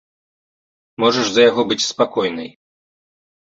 Можаш за яго быць спакойнай!